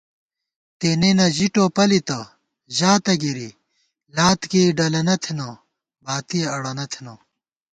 تېنېنہ ژِی ٹوپَلِتہ ، ژاتہ گِرِی ، لات کېئ ڈلَنہ تھنہ ، باتِیَہ اڑَنہ تھنَہ